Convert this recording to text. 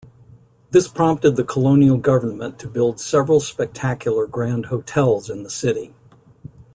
This prompted the colonial government to build several spectacular grand hotels in the city.